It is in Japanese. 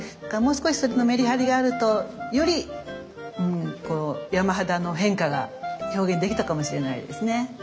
だからもう少しそれのメリハリがあるとより山肌の変化が表現できたかもしれないですね。